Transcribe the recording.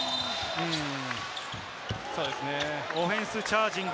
オフェンスチャージング。